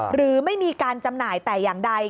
หรือไม่มีการจำหน่ายแต่อย่างใด